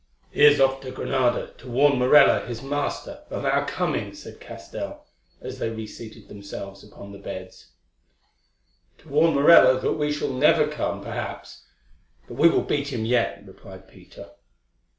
"He is off to Granada, to warn Morella his master of our coming," said Castell, as they reseated themselves upon the beds. "To warn Morella that we shall never come, perhaps; but we will beat him yet," replied Peter.